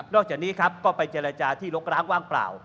จากนี้ครับก็ไปเจรจาที่ลกร้างว่างเปล่า